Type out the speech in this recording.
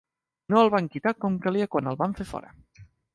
No el van quitar com calia quan el van fer fora.